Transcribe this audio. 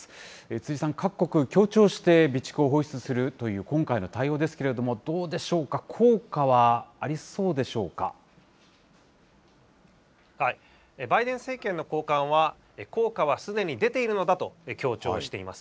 辻さん、各国、協調して備蓄を放出するという今回の対応ですけれども、どうでしょうか、効果はあバイデン政権の高官は、効果はすでに出ているのだと強調しています。